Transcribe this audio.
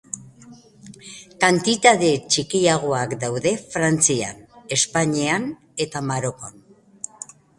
Kantitate txikiagoak daude Frantzian, Espainian eta Marokon.